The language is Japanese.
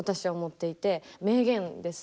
名言です。